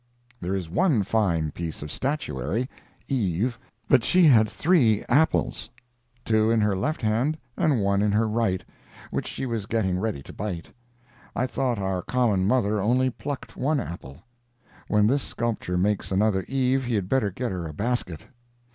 There is one fine piece of statuary—Eve—but she had three apples—two in her left hand, and one in her right, which she was getting ready to bite. I thought our common mother only plucked one apple. When this sculptor makes another Eve he had better get her a basket.